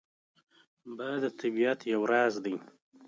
باد د طبیعت یو راز دی